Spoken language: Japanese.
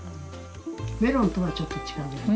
メロンとはちょっと違うんです。